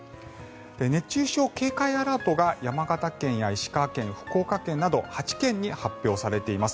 熱中症警戒アラートが山形県や石川県、福岡県など８県に発表されています。